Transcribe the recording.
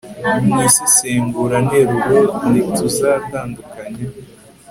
mu isesenguranteruro ntituzatandukanya